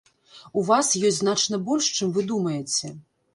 У вас ёсць значна больш, чым вы думаеце.